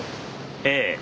ええ。